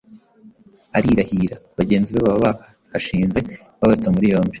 Arirahira, bagenzi be baba bahashinze. Babata muri yombi